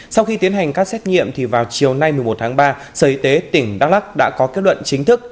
sau khi tiến hành các xét nghiệm thì vào chiều nay một mươi một tháng ba sở y tế tỉnh đắk lắc đã có kết luận chính thức